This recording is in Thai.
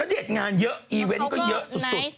ณเดชน์งานเยอะอีเวนต์ก็เยอะสุด